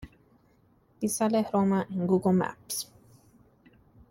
Piazzale Roma en Google Maps